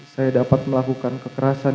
saya dapat melakukan kekerasan